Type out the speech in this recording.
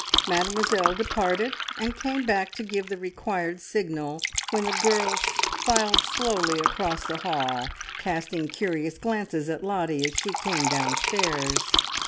Mademoiselle departed, and came back to give the required signal, when the girls filed slowly across the hall, casting curious glances at Lottie as she came downstairs.